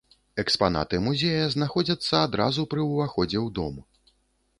Экспанаты музея знаходзяцца адразу пры ўваходзе ў дом.